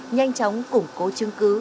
nhanh chóng củng cố chứng cứ